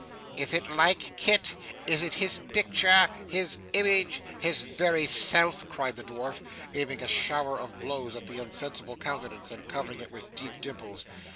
'Is it like Kit is it his picture, his image, his very self?' cried the dwarf, aiming a shower of blows at the insensible countenance, and covering it with deep dimples.